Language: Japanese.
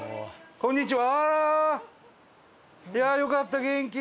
こんにちは。